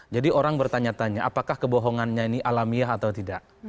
jadi orang bertanya tanya apakah kebohongannya ini alamiah atau tidak